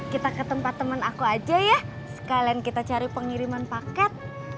kita ke tempat teman aku aja ya sekalian kita cari pengiriman paket